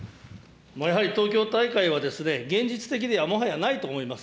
やはり東京大会は、現実的ではもはやないと思います。